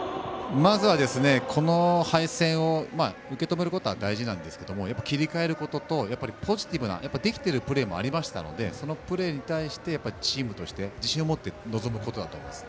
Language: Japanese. まずはこの敗戦を受け止めることは大事なんですけども切り替えることと、ポジティブなできているプレーもありましたのでそのプレーに対してチームとして自信を持って臨むことだと思います。